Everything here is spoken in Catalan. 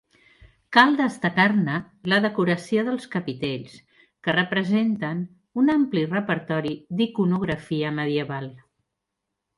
Cal destacar-ne la decoració dels capitells, que representen un ampli repertori d'iconografia medieval.